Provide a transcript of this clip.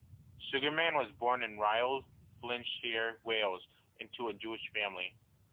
Sugarman was born in Rhyl, Flintshire, Wales, into a Jewish family.